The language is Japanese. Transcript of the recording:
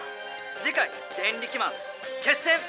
「じかい『デンリキマン』『決戦』！